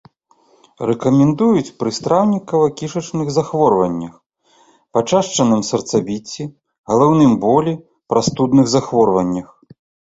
Рэкамендуюць пры страўнікава-кішачных захворваннях, пачашчаным сэрцабіцці, галаўным болі, прастудных захворваннях.